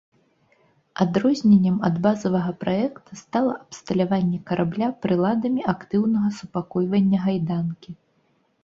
Адрозненнем ад базавага праекта стала абсталяванне карабля прыладамі актыўнага супакойвання гайданкі.